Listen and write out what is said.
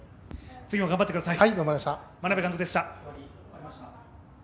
次も頑張ってください。